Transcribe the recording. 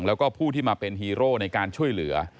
แล้วก็ผู้ที่มาเป็นฮีโร่ในการช่วยเหลือ